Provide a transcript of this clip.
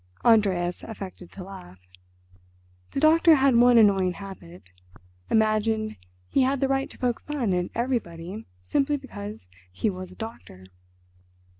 Andreas affected to laugh. The doctor had one annoying habit—imagined he had the right to poke fun at everybody simply because he was a doctor.